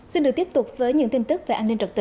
xin được tiếp tục với những tin tức về an ninh trật tự